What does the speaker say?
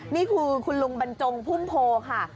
นี่คือคุณลุงบรรจงพุ่มโพค่ะ